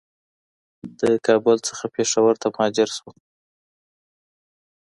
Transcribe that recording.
له کابل څخه پېښور ته مهاجر شول.